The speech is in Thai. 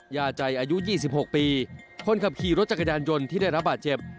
ยาใจอายุ๒๖ปีคนขับขี่รถจักรยานยนต์ที่ได้รับบาดเจ็บ